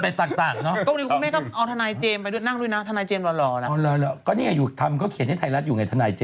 เพราะว่าจะค่อยคิดไปต่างเนอะ